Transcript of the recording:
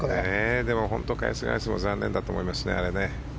でも本当に返す返すも残念だと思いますね。